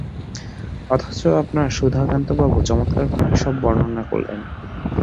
অথচ আপনার সুধাকান্তবাবু চমৎকারভাবে সব বর্ণনা করলেন।